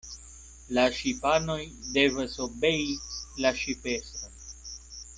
La ŝipanoj devas obei la ŝipestron.